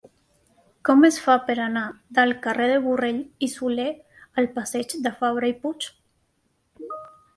Com es fa per anar del carrer de Borrell i Soler al passeig de Fabra i Puig?